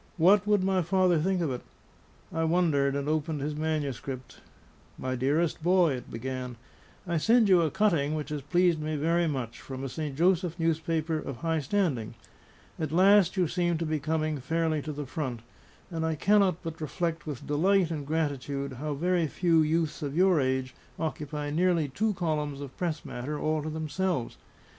What would my father think of it? I wondered, and opened his manuscript. "My dearest boy," it began, "I send you a cutting which has pleased me very much, from a St. Joseph paper of high standing. At last you seem to be coming fairly to the front; and I cannot but reflect with delight and gratitude how very few youths of your age occupy nearly two columns of press matter all to themselves.